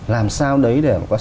làm sao đấy để có sự chuẩn bị